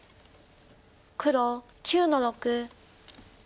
黒９の六。